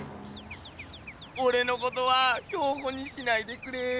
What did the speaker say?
おれのことは標本にしないでくれぇ。